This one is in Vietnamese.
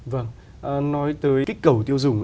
vâng nói tới kích cầu tiêu dùng